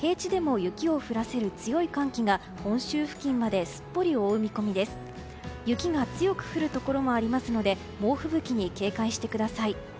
雪が強く降るところもありますので猛吹雪に警戒してください。